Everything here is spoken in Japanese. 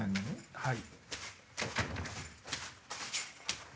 はい。